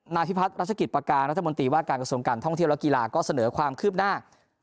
นายพิพัฒนรัชกิจประการรัฐมนตรีว่าการกระทรวงการท่องเที่ยวและกีฬาก็เสนอความคืบหน้า